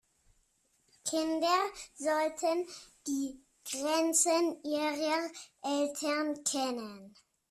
Kinder sollten die Grenzen ihrer Eltern kennen.